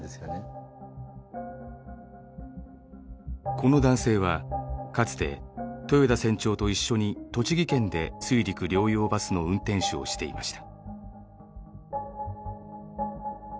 この男性はかつて豊田船長と一緒に栃木県で水陸両用バスの運転手をしていました。